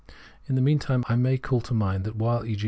In the mean time, I may call to mind that while e.